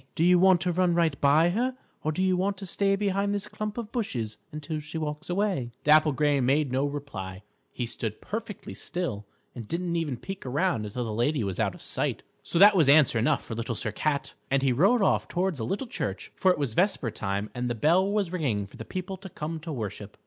Do you want to run right by her, or do you want to stay behind this clump of bushes until she walks away?" Dapple Gray made no reply. He stood perfectly still and didn't even peek around until the lady was out of sight. So that was answer enough for Little Sir Cat, and he rode off towards a little church, for it was vesper time and the bell was ringing for the people to come to worship.